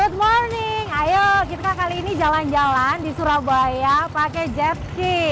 good morning ayo kita kali ini jalan jalan di surabaya pakai jet ski